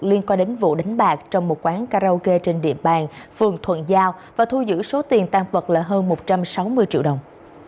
liên quan đến vụ đánh bạc trong một quán karaoke trên địa bàn phường thuận giao và thu giữ số tiền tăng vật là hơn một trăm sáu mươi triệu đồng